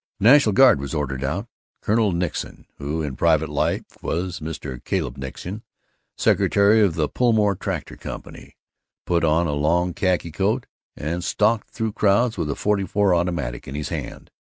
The National Guard was ordered out. Colonel Nixon, who in private life was Mr. Caleb Nixon, secretary of the Pullmore Tractor Company, put on a long khaki coat and stalked through crowds, a .44 automatic in hand.